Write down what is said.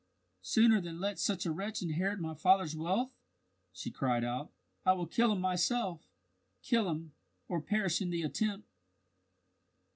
"Sooner than let such a wretch inherit my father's wealth," she cried out, "I will kill him myself kill him, or perish in the attempt."